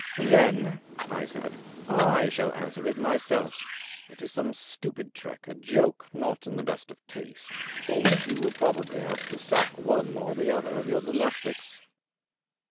' Then/ I said, ' I shall answer it myself. It is some stupid trick, a joke not in the best of taste, for which you will probably have to sack one or other of your domestics.'